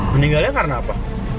meninggalnya karena apa